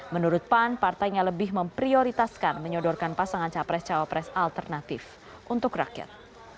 menurut pan partainya lebih memprioritaskan menyodorkan pasangan capres cawapres alternatif untuk rakyat